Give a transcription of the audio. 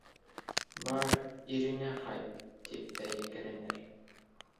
Бар, иреңә ҡайт, тип тә екеренер.